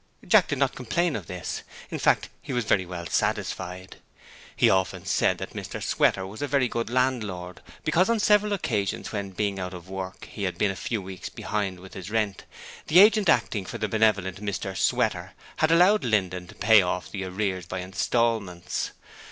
Jack did not complain of this in fact he was very well satisfied. He often said that Mr Sweater was a very good landlord, because on several occasions when, being out of work, he had been a few weeks behind with his rent the agent acting for the benevolent Mr Sweater had allowed Linden to pay off the arrears by instalments.